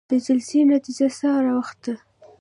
د جلسې نتيجه څه راوخته؟